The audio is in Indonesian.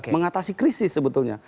mengatasi krisis sebetulnya